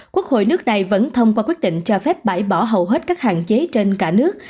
quốc hội nước này vẫn thông qua quyết định cho phép bãi bỏ hầu hết các hạn chế trên cả nước